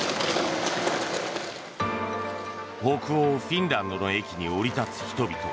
北欧フィンランドの駅に降り立つ人々。